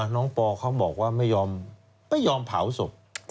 ปอเขาบอกว่าไม่ยอมเผาศพ